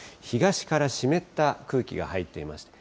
東から湿った空気が入っています。